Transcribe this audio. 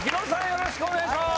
よろしくお願いします。